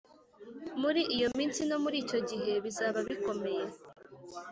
muri iyo minsi no muri icyo gihe, bizaba bikomeye